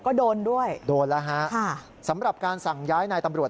ก็โดนด้วยโดนแล้วฮะค่ะสำหรับการสั่งย้ายนายตำรวจ